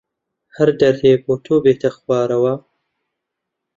هەر دەردێ بۆ تۆ بێتە خوارەوە